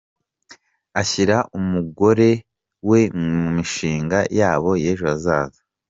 Ashyira umugore we mu mishinga yabo y’ejo hazaza.